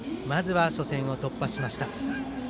まず初戦を突破しました。